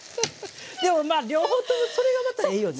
でもまあ両方ともそれがまたいいよね。